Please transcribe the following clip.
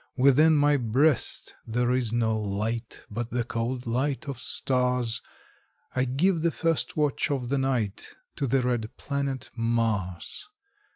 Within my breast there is no light, But the cold light of stars; I give the first watch of the night To the red planet Mars.